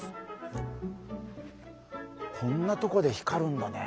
こんなとこで光るんだね。